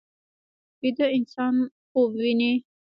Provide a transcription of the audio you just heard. ویده انسان خوب ویني